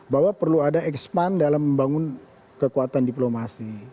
bahwa perlu ada expand dalam membangun kekuatan diplomasi